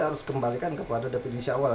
harus kembalikan kepada definisi awal